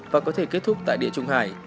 và có thể kết thúc tại địa trung hải